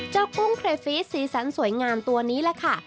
เจ้ากุ้งเครฟฟิชสีสันสวยงามตัวนี้ล่ะค่ะ